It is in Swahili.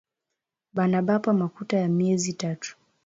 Bana bapa makuta ya myezi tatu